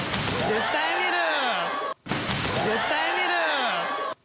絶対見る！